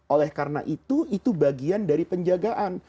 oleh karena itu itu bagian dari penjagaan